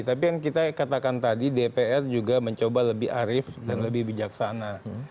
tapi yang kita katakan tadi dpr juga mencoba lebih arif dan lebih bijaksana